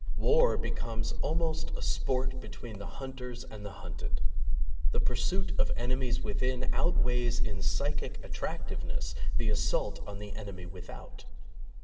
War becomes almost a sport between the hunters and the hunted. The pursuit of enemies within out weighs in psychic attractiveness the assault on the enemy without.